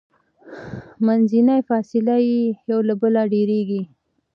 منځنۍ فاصله یې یو له بله ډیریږي.